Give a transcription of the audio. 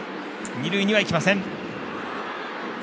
二塁には行きません。